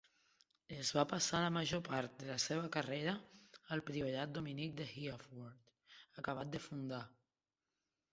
Es va passar la major part de la seva carrera al priorat dominic de Hereford, acabat de fundar.